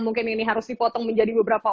mungkin ini harus dipotong menjadi beberapa